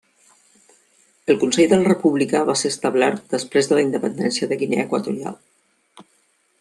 El Consell de la República va ser establert després de la Independència de Guinea Equatorial.